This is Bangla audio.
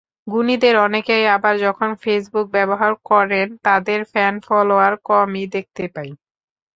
গুণীদের অনেকেই আবার যখন ফেসবুক ব্যবহার করেন, তাঁদের ফ্যান-ফলোয়ার কমই দেখতে পাই।